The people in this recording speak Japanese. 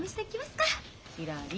ひらり。